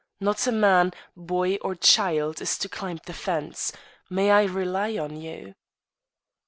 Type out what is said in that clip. Not a man, boy or child is to climb the fence. I may rely on you?"